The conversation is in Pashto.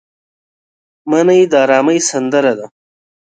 منی د ارامۍ سندره ده